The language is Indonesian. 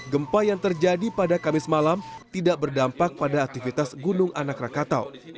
gempa yang terjadi pada kamis malam tidak berdampak pada aktivitas gunung anak rakatau